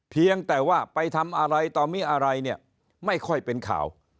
เพียงแต่ว่าไปทำอะไรต่อมิอะไรเนี่ยไม่ค่อยเป็นข่าว